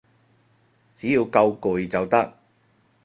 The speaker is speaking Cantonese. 只要夠攰就得